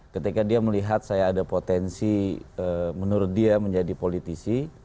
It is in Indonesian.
ketika dia melihat saya ada potensi menurut dia menjadi politisi